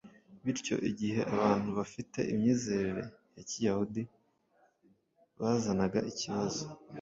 Bityo, igihe abantu bafite imyizerere ya Kiyahudi bazanaga ikibazo